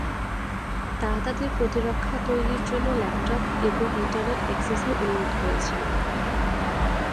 তারা তাদের প্রতিরক্ষা তৈরির জন্য ল্যাপটপ এবং ইন্টারনেট অ্যাক্সেসের অনুরোধ করেছিল।